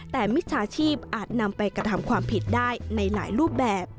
แต่มิจฉาชีพอาจนำไปกระทำความผิดได้ในหลายรูปแบบ